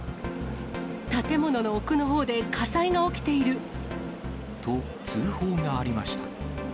建物の奥のほうで火災が起きと、通報がありました。